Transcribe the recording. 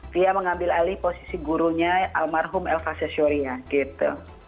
dia mengambil alih posisi gurunya almarhum el fasesyuri ya gitu